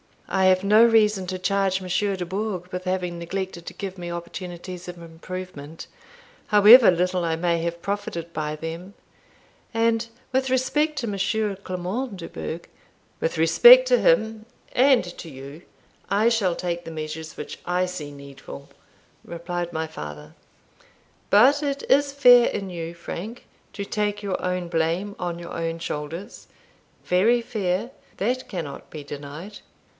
I have no reason to charge Monsieur Dubourg with having neglected to give me opportunities of improvement, however little I may have profited by them; and with respect to Monsieur Clement Dubourg" "With respect to him, and to you, I shall take the measures which I see needful," replied my father; "but it is fair in you, Frank, to take your own blame on your own shoulders very fair, that cannot be denied.